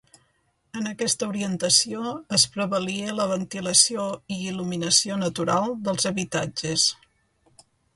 En aquesta orientació es prevalia la ventilació i il·luminació natural dels habitatges.